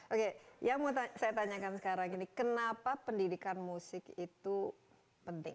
oke yang mau saya tanyakan sekarang ini kenapa pendidikan musik itu penting